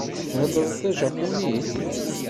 Theddreḍ tajapunit?